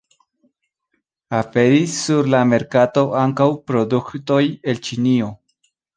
Aperis sur la merkato ankaŭ produktoj el Ĉinio.